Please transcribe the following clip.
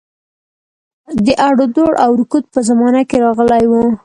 د اړودوړ او رکود په زمانه کې راغلی وو.